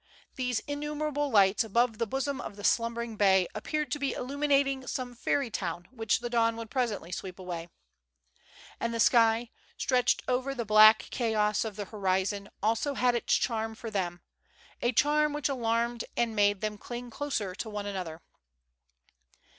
These innumerable lights above the bosom of the slumbering bay appeared to be illuminating some fairy town which the dawn would presently sweep away. And the sky, stretched over the black chaos of the horizon, also had its charm for them, a charm which alarmed and made them cling closer to one another.